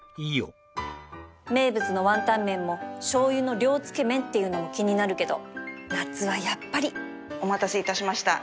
名物の雲呑麺も醤油の涼つけ麺っていうのも気になるけど夏はやっぱりお待たせいたしました。